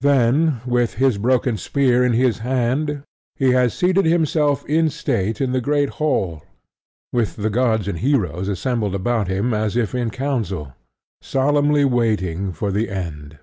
Then, with his broken spear in his hand, he has seated himself in state in the great hall, with the Gods and Heroes assembled about him as if in council, solemnly waiting for the end.